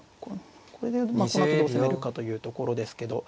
これでこのあとどう攻めるかというところですけど。